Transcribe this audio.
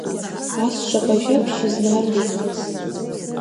Ас шаҟа жәабжь изнаргахьаз…